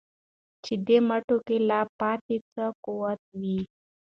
چي دي مټو كي لا پاته څه قوت وي